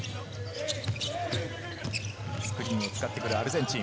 スクリーンを使ってくるアルゼンチン。